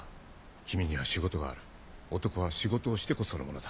君には仕事がある男は仕事をしてこそのものだ。